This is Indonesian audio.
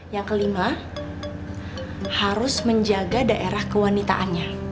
yang kelima harus menjaga daerah kewanitaannya